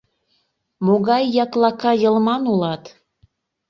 Могай яклака йылман улат!